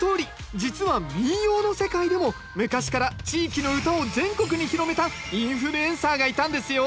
実は民謡の世界でも昔から地域の唄を全国に広めたインフルエンサーがいたんですよ